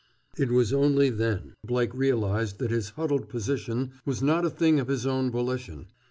It was only then Blake realized that his huddled position was not a thing of his own volition.